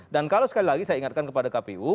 dan kalau sekali lagi saya ingatkan kepada kpu